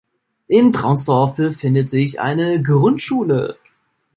In Braunsdorf befindet sich eine Grundschule.